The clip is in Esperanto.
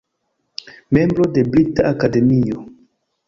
Membro de Brita Akademio.